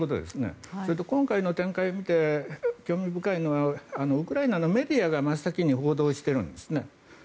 今回の展開を見て興味深いのはウクライナのメディアが真っ先に報道してるんですね。